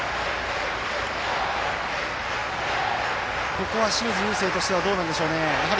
ここは、清水友惺としてはどうなんでしょうね。